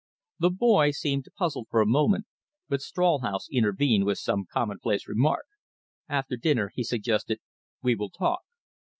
The boy seemed puzzled for a moment, but Stralhaus intervened with some commonplace remark. "After dinner," he suggested, "we will talk."